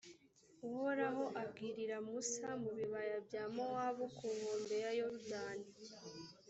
uhoraho abwirira musa mu bibaya bya mowabu ku nkombe ya yorudani